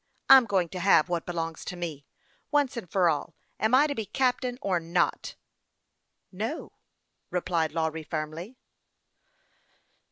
I'm going to have what belongs to me. Now, once for all, am I to be captain, or not ?"" Xo," replied Lawry, firmly.